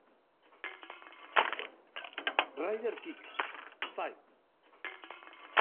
Rider Kick", "Fight!